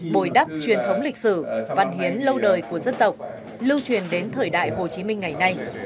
bồi đắp truyền thống lịch sử văn hiến lâu đời của dân tộc lưu truyền đến thời đại hồ chí minh ngày nay